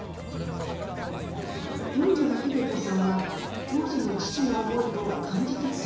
４女の秀子さんは当時の父の思いを感じ取っていました。